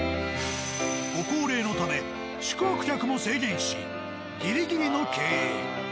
ご高齢のため宿泊客も制限しギリギリの経営。